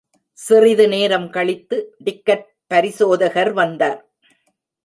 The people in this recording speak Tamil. சிறிது நேரம் கழித்து, டிக்கெட் பரிசோதகர் வந்தார்.